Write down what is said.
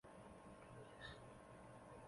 欧鸽为鸠鸽科鸽属的鸟类。